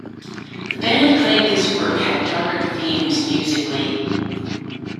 The band claimed this work had darker themes musically.